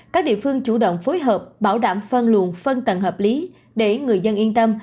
các địa phương chủ động phối hợp bảo đảm phân luồn phân tầng hợp lý để người dân yên tâm